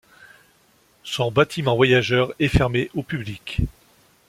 Son bâtiment voyageurs est fermé au public.